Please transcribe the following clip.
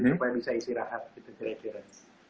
supaya bisa isi rahat gitu kira kira